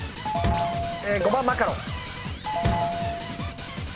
５番マカロン。